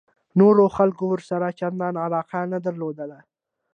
نورو خلکو ورسره چندان علاقه نه درلوده.